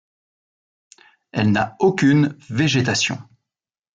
Elle n'a aucun végétation.